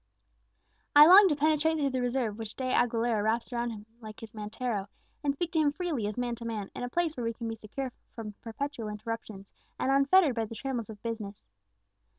I long to penetrate through the reserve which De Aguilera wraps around him like his mantero, and speak to him freely as man to man, in a place where we can be secure from perpetual interruptions, and unfettered by the trammels of business.